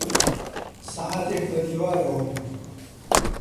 سەعاتێک بە دیوارەوە بوو.